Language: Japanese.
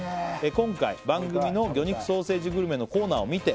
「今回番組の魚肉ソーセージグルメのコーナーを見て」